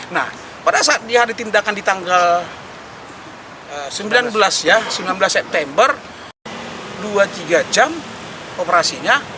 nah pada saat dia ditindakan di tanggal sembilan belas ya sembilan belas september dua tiga jam operasinya